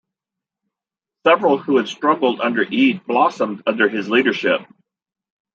Several who had struggled under Eade blossomed under his leadership.